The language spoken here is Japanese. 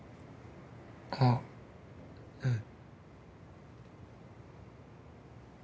あっうん。